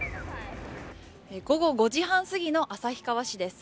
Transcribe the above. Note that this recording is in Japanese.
午後５時半すぎの旭川市です。